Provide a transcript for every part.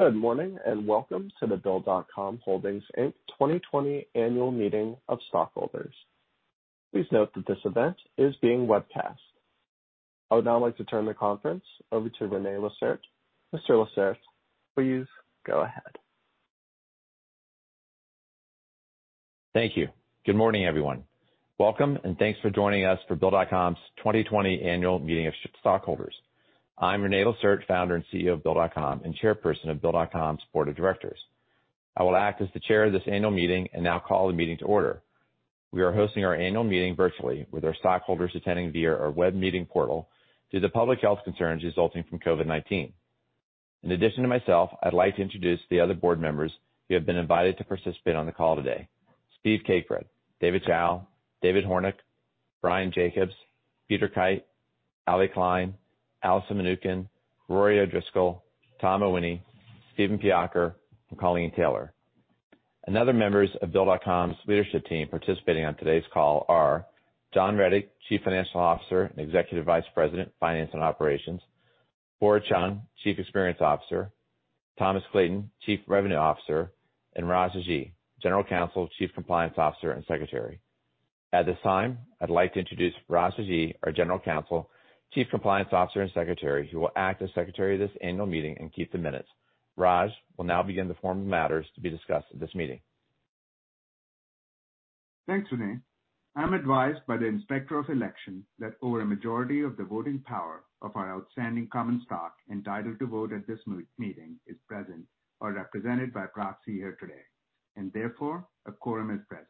Good morning welcome to the Bill.com Holdings, Inc. 2020 Annual Meeting of Stockholders. Please note that this event is being webcast. I would now like to turn the conference over to René Lacerte. Mr. Lacerte, please go ahead. Thank you. Good morning everyone. Welcome, and thanks for joining us for BILL's 2020 annual meeting of stockholders. I'm René Lacerte, Founder and CEO of BILL, and Chairperson of BILL's Board of Directors. I will act as the chair of this annual meeting now call the meeting to order. We are hosting our annual meeting virtually with our stockholders attending via our web meeting portal due to public health concerns resulting from COVID-19. In addition to myself, I'd like to introduce the other board members who have been invited to participate on the call today. Steve Cakebread, David Chao, David Hornik, Brian Jacobs, Peter Kight, Allie Kline, Allison Mnookin, Rory O'Driscoll, Tom Mawhinney, Steven Piaker, and Colleen Taylor. Other members of BILL's leadership team participating on today's call are John Rettig, Chief Financial Officer and Executive Vice President, Finance and Operations. Bora Chung, Chief Experience Officer. Thomas Clayton, Chief Revenue Officer, and Raj Aji, General Counsel, Chief Compliance Officer, and Secretary. At this time, I'd like to introduce Raj Aji, our General Counsel, Chief Compliance Officer, and Secretary, who will act as secretary of this annual meeting and keep the minutes. Raj will now begin the formal matters to be discussed at this meeting. Thanks René. I'm advised by the Inspector of Election that over a majority of the voting power of our outstanding common stock entitled to vote at this meeting is present or represented by proxy here today, and therefore, a quorum is present.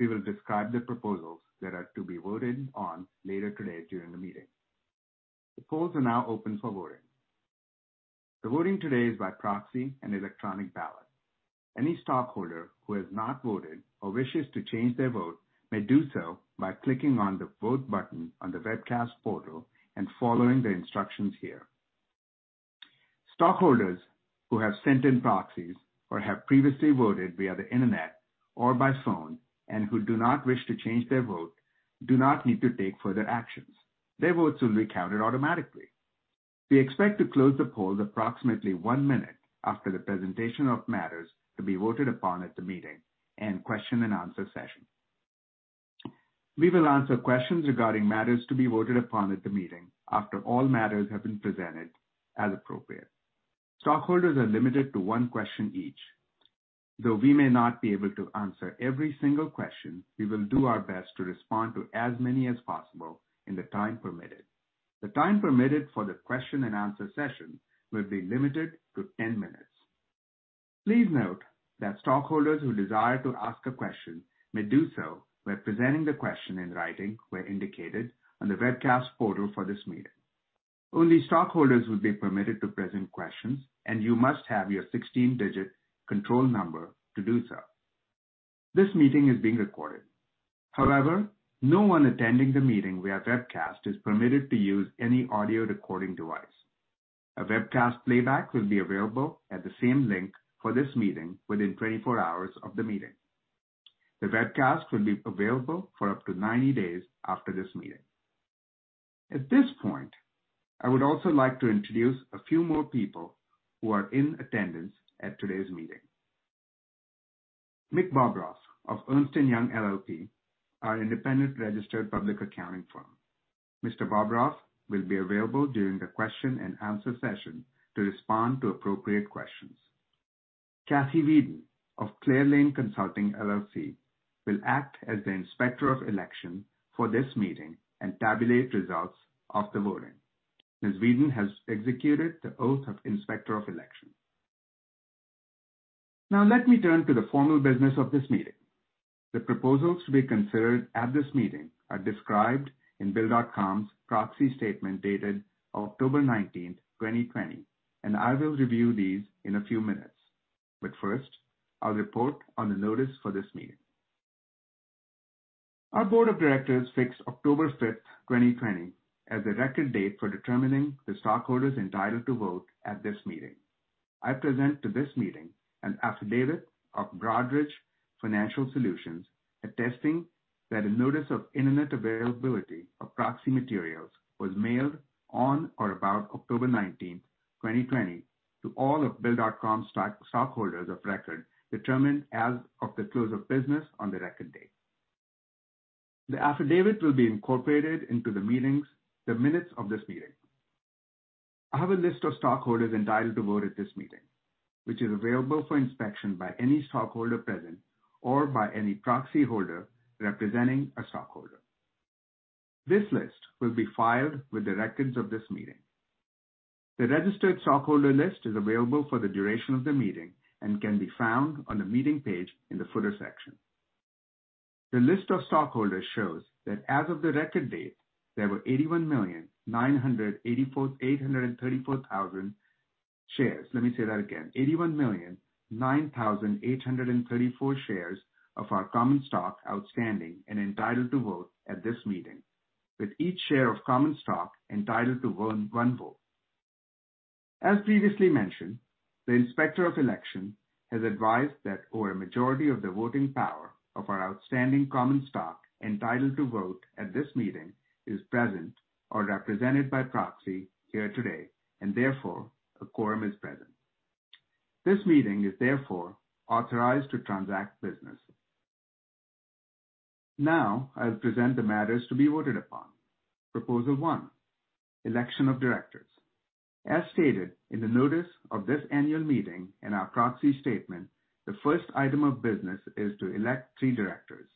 We will describe the proposals that are to be voted on later today during the meeting. The polls are now open for voting. The voting today is by proxy and electronic ballot. Any stockholder who has not voted or wishes to change their vote may do so by clicking on the vote button on the webcast portal and following the instructions here. Stockholders who have sent in proxies or have previously voted via the internet or by phone and who do not wish to change their vote do not need to take further actions. Their votes will be counted automatically. We expect to close the polls approximately one minute after the presentation of matters to be voted upon at the meeting and question and answer session. We will answer questions regarding matters to be voted upon at the meeting after all matters have been presented as appropriate. Stockholders are limited to one question each. Though we may not be able to answer every single question, we will do our best to respond to as many as possible in the time permitted. The time permitted for the question and answer session will be limited to 10 minutes. Please note that stockholders who desire to ask a question may do so by presenting the question in writing where indicated on the webcast portal for this meeting. Only stockholders will be permitted to present questions, and you must have your 16-digit control number to do so. This meeting is being recorded. However, no one attending the meeting via webcast is permitted to use any audio recording device. A webcast playback will be available at the same link for this meeting within 24 hours of the meeting. The webcast will be available for up to 90 days after this meeting. At this point, I would also like to introduce a few more people who are in attendance at today's meeting. Mick Bobroff of Ernst & Young LLP, our independent registered public accounting firm. Mr. Bobroff will be available during the question and answer session to respond to appropriate questions. Cassie Weedon of Clear Lane Consulting LLC will act as the Inspector of Election for this meeting and tabulate results of the voting. Ms. Weedon has executed the oath of Inspector of Election. Now let me turn to the formal business of this meeting. The proposals to be considered at this meeting are described in Bill.com's proxy statement dated October 19th, 2020, and I will review these in a few minutes. First, I'll report on the notice for this meeting. Our board of directors fixed October 5th, 2020, as the record date for determining the stockholders entitled to vote at this meeting. I present to this meeting an affidavit of Broadridge Financial Solutions attesting that a notice of internet availability of proxy materials was mailed on or about October 19th, 2020, to all of Bill.com's stockholders of record determined as of the close of business on the record date. The affidavit will be incorporated into the minutes of this meeting. I have a list of stockholders entitled to vote at this meeting, which is available for inspection by any stockholder present or by any proxyholder representing a stockholder. This list will be filed with the records of this meeting. The registered stockholder list is available for the duration of the meeting and can be found on the meeting page in the footer section. The list of stockholders shows that as of the record date, there were 81 million, 9,834,000 shares. Let me say that again. 81 million, 9,834 shares of our common stock outstanding and entitled to vote at this meeting, with each share of common stock entitled to one vote. As previously mentioned, the Inspector of Election has advised that over a majority of the voting power of our outstanding common stock entitled to vote at this meeting is present or represented by proxy here today, and therefore a quorum is present. This meeting is therefore authorized to transact business. Now, I will present the matters to be voted upon. Proposal one, election of directors. As stated in the notice of this annual meeting and our proxy statement, the first item of business is to elect three directors,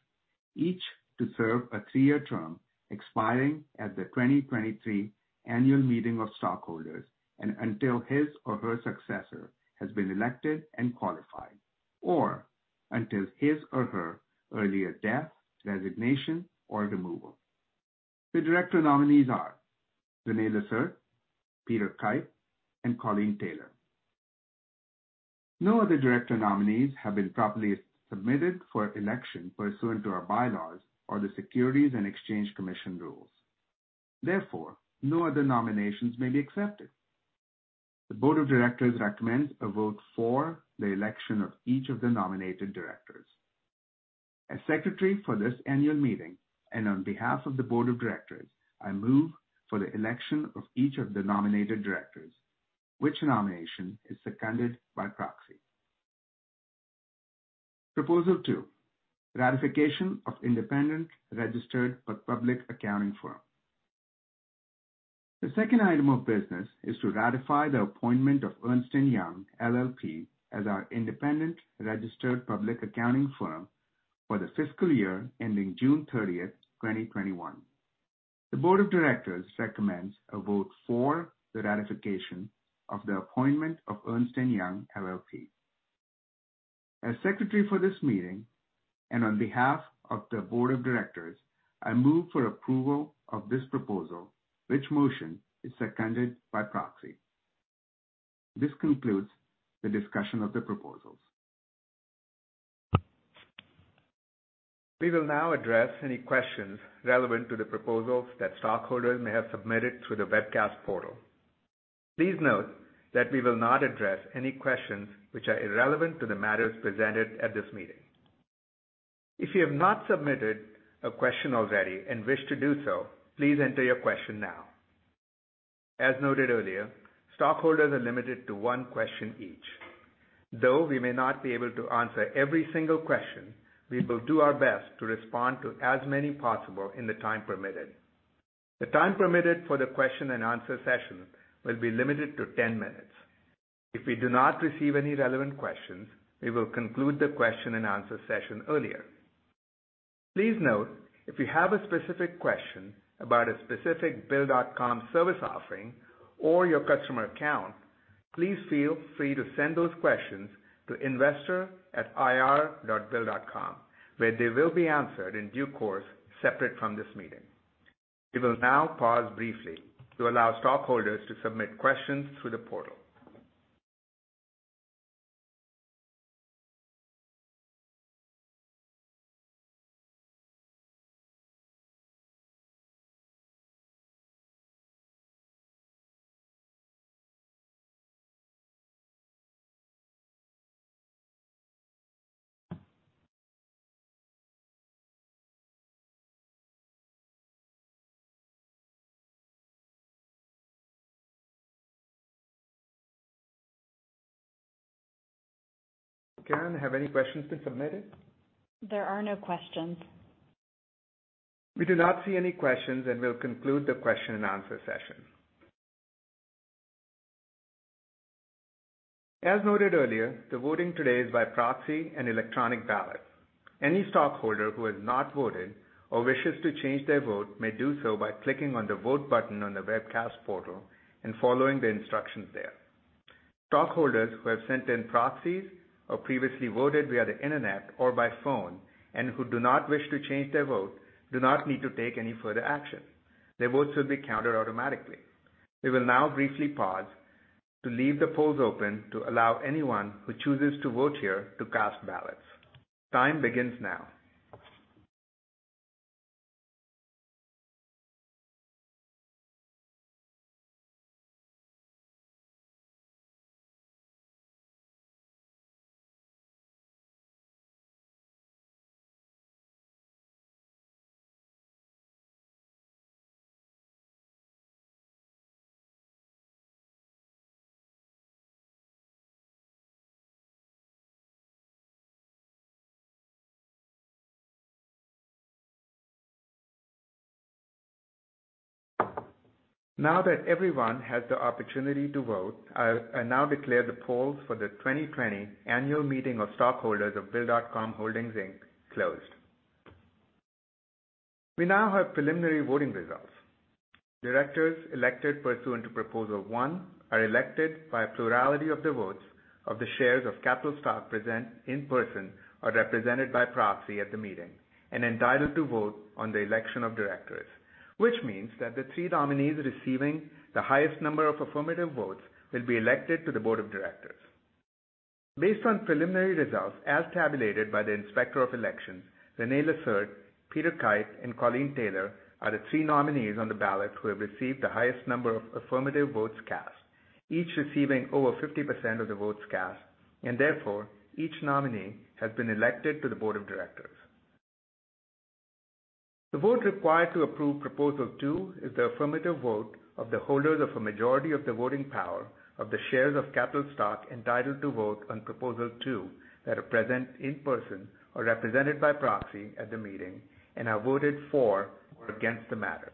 each to serve a three-year term expiring at the 2023 annual meeting of stockholders and until his or her successor has been elected and qualified, or until his or her earlier death, resignation, or removal. The director nominees are René Lacerte, Peter Kight, and Colleen Taylor. No other director nominees have been properly submitted for election pursuant to our bylaws or the Securities and Exchange Commission rules. Therefore, no other nominations may be accepted. The board of directors recommends a vote for the election of each of the nominated directors. As secretary for this annual meeting and on behalf of the board of directors, I move for the election of each of the nominated directors, which nomination is seconded by proxy. Proposal two, ratification of independent registered public accounting firm. The second item of business is to ratify the appointment of Ernst & Young LLP as our independent registered public accounting firm for the fiscal year ending June 30th 2021. The board of directors recommends a vote for the ratification of the appointment of Ernst & Young LLP. As secretary for this meeting and on behalf of the board of directors, I move for approval of this proposal, which motion is seconded by proxy. This concludes the discussion of the proposals. We will now address any questions relevant to the proposals that stockholders may have submitted through the webcast portal. Please note that we will not address any questions which are irrelevant to the matters presented at this meeting. If you have not submitted a question already and wish to do so, please enter your question now. As noted earlier, stockholders are limited to one question each. Though we may not be able to answer every single question, we will do our best to respond to as many possible in the time permitted. The time permitted for the question and answer session will be limited to 10 minutes. If we do not receive any relevant questions, we will conclude the question and answer session earlier. Please note, if you have a specific question about a specific Bill.com service offering or your customer account, please feel free to send those questions to investor@ir.bill.com, where they will be answered in due course, separate from this meeting. We will now pause briefly to allow stockholders to submit questions through the portal. Karen, have any questions been submitted? There are no questions. We do not see any questions and will conclude the question and answer session. As noted earlier, the voting today is by proxy and electronic ballot. Any stockholder who has not voted or wishes to change their vote may do so by clicking on the Vote button on the webcast portal and following the instructions there. Stockholders who have sent in proxies or previously voted via the internet or by phone and who do not wish to change their vote do not need to take any further action. Their votes will be counted automatically. We will now briefly pause to leave the polls open to allow anyone who chooses to vote here to cast ballots. Time begins now. Now that everyone has the opportunity to vote, I now declare the polls for the 2020 annual meeting of stockholders of Bill.com Holdings, Inc. closed. We now have preliminary voting results. Directors elected pursuant to proposal one are elected by a plurality of the votes of the shares of capital stock present in person or represented by proxy at the meeting and entitled to vote on the election of directors. Which means that the three nominees receiving the highest number of affirmative votes will be elected to the board of directors. Based on preliminary results as tabulated by the Inspector of Election, René Lacerte, Peter Kight, and Colleen Taylor are the three nominees on the ballot who have received the highest number of affirmative votes cast, each receiving over 50% of the votes cast, and therefore, each nominee has been elected to the board of directors. The vote required to approve proposal two is the affirmative vote of the holders of a majority of the voting power of the shares of capital stock entitled to vote on proposal two that are present in person or represented by proxy at the meeting and have voted for or against the matter.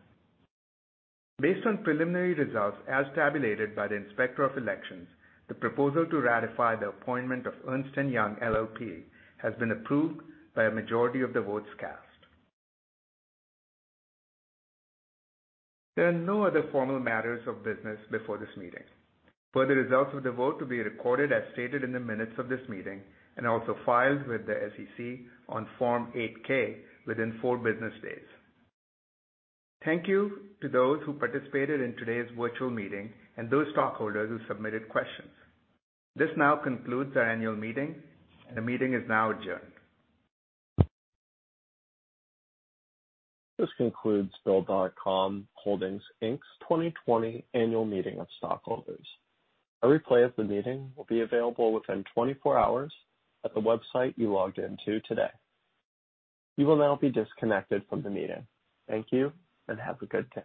Based on preliminary results as tabulated by the Inspector of Election, the proposal to ratify the appointment of Ernst & Young LLP has been approved by a majority of the votes cast. There are no other formal matters of business before this meeting. For the results of the vote to be recorded as stated in the minutes of this meeting and also filed with the SEC on Form 8-K within four business days. Thank you to those who participated in today's virtual meeting and those stockholders who submitted questions. This now concludes our annual meeting, and the meeting is now adjourned. This concludes Bill.com Holdings, Inc.'s 2020 annual meeting of stockholders. A replay of the meeting will be available within 24 hours at the website you logged into today. You will now be disconnected from the meeting. Thank you, and have a good day.